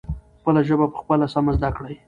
خپله ژبه پخپله سمه زدکړئ.